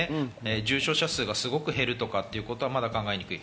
重症者数がすごく減るとかいうことはまだ考えにくい。